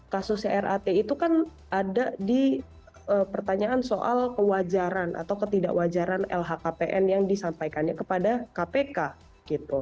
kasusnya rat itu kan ada di pertanyaan soal kewajaran atau ketidakwajaran lhkpn yang disampaikannya kepada kpk gitu